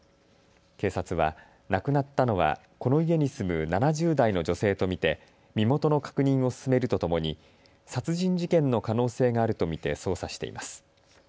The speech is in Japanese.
警察は亡くなったのはこの家に住む７０代の女性と見て身元の確認を進めるとともに殺人事件の可能性があると見て捜査しています。